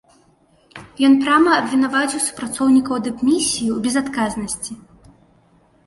Ён прама абвінаваціў супрацоўнікаў дыпмісіі ў безадказнасці.